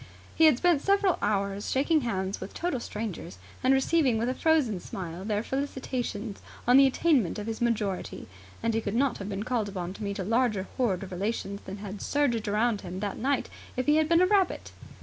He had spent several hours shaking hands with total strangers and receiving with a frozen smile their felicitations on the attainment of his majority, and he could not have been called upon to meet a larger horde of relations than had surged round him that night if he had been a rabbit.